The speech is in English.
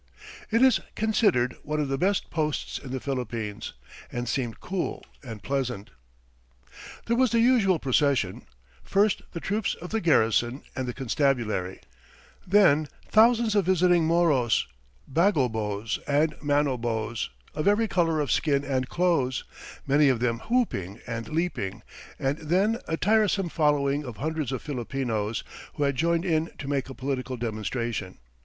It is considered one of the best posts in the Philippines, and seemed cool and pleasant. [Illustration: BAGOBOS WITH MUSICAL INSTRUMENTS.] There was the usual procession first, the troops of the garrison and the constabulary, then thousands of visiting Moros, Bagobos and Manobos, of every colour of skin and clothes, many of them whooping and leaping, and then a tiresome following of hundreds of Filipinos, who had joined in to make a political demonstration.